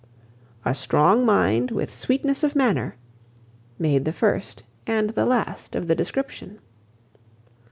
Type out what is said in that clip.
"A strong mind, with sweetness of manner," made the first and the last of the description.